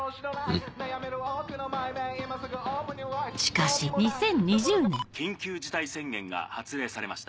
しかし緊急事態宣言が発令されました。